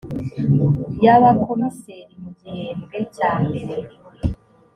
y abakomiseri mu gihembwe cya mbere